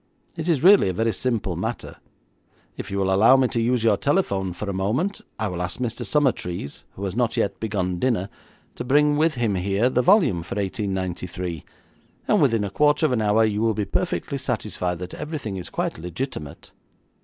It is really a very simple matter. If you will allow me to use your telephone for a moment, I will ask Mr Summertrees, who has not yet begun dinner, to bring with him here the volume for 1893, and, within a quarter of an hour, you will be perfectly satisfied that everything is quite legitimate.'